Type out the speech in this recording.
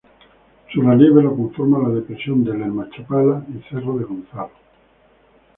Su relieve lo conforma la depresión de Lerma-Chápala y cerro de Gonzalo.